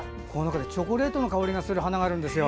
チョコレートの香りがする花があるんですよ。